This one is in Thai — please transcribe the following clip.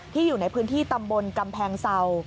อยู่ในพื้นที่ตำบลกำแพงเศร้า